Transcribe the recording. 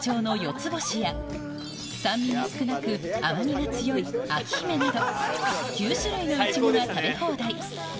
つぼしや、酸味が少なく、甘みが強い章姫など、９種類のイチゴが食べ放題。